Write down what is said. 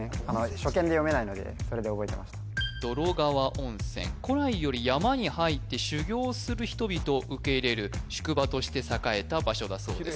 初見で読めないのでそれで覚えてました洞川温泉古来より山に入って修行する人々を受け入れる宿場として栄えた場所だそうです